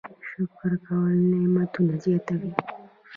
شکر کول نعمتونه زیاتوي